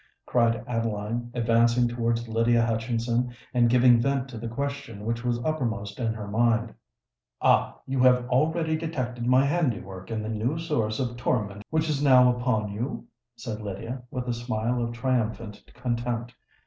cried Adeline, advancing towards Lydia Hutchinson, and giving vent to the question which was uppermost in her mind. "Ah! you have already detected my handiwork in the new source of torment which is now open against you?" said Lydia, with a smile of triumphant contempt.